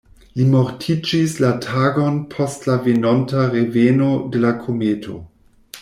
Li mortiĝis la tagon post la venonta reveno de la kometo.